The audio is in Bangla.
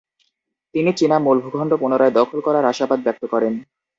তিনি চীনা মূল ভূখণ্ড পুনরায় দখল করার আশাবাদ ব্যক্ত করেন।